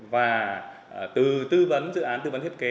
và từ tư vấn dự án tư vấn thiết kế